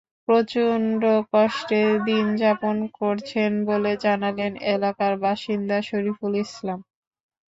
প্রচণ্ড কষ্টে দিন যাপন করছেন বলে জানালেন এলাকার বাসিন্দা শরিফুল ইসলাম।